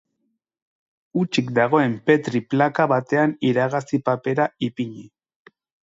Hutsik dagoen Petri plaka batean iragazi-papera ipini.